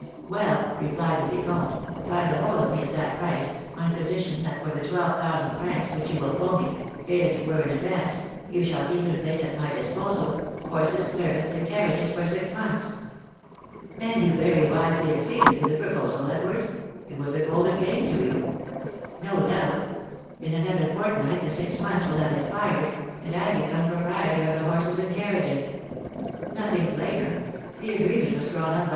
'Well,' replied the vicomte, 'buy the whole of me at that price, on condition that for the twelve thousand francs which you will owe me, paid as it were in advance, you shall keep and place at my disposal horses, servants, and carriages for six months.'" "And you very wisely acceded to the proposal, Edwards? It was a golden gain to you." "No doubt. In another fortnight the six months will have expired, and I become proprietor of the horses and carriages." "Nothing plainer. The agreement was drawn up by M.